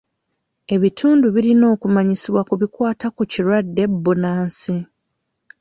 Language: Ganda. Ebitundu birina okumanyisibwa ku bikwata ku kirwadde bbunansi.